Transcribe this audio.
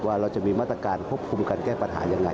ว่าเราจะมีมาตรการควบคุมการแก้ปัญหายังไง